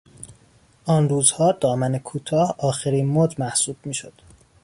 آن روزها دامن کوتاه آخرین مد محسوب میشد.